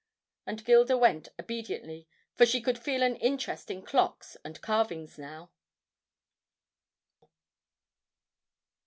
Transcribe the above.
And Gilda went obediently, for she could feel an interest in clocks and carvings now.